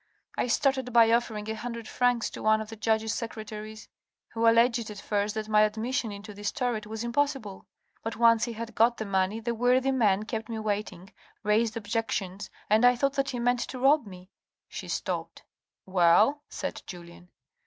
I started by offering a hundred francs to one of the judge's secetaries, who alleged at first that my admission into this turret was impossible. But once he had got the money the worthy man kept me waiting, raised objections, and I thought that he meant to rob me —" She stopped. "Well?" said Julien.